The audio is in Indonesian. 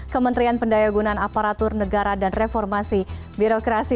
kementerian pendayagunan aparatur negara dan reformasi birokrasi